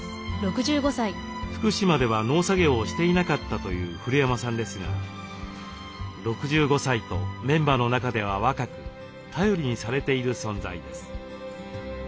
福島では農作業をしていなかったという古山さんですが６５歳とメンバーの中では若く頼りにされている存在です。